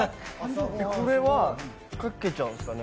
これはかけちゃうんですかね？